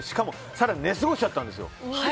更に寝過ごしちゃったんですよ。